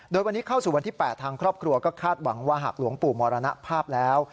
โดยวันนี้เข้าสู่วันที่๘ทางครอบครัวก็คาดหวังว่าหากหลวงปู่มรณภาพแล้ว